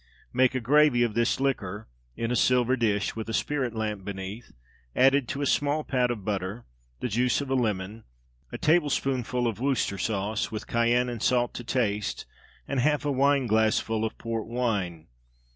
Make a gravy of this liquor, in a silver dish (with a spirit lamp beneath), added to a small pat of butter, the juice of a lemon, a tablespoonful of Worcester sauce, with cayenne and salt to taste, and half a wine glassful of port wine.